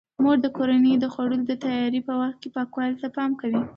مور د کورنۍ د خوړو د تیاري په وخت پاکوالي ته پام کوي.